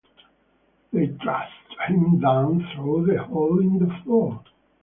They thrust him down through the hole in the floor.